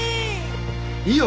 いいよ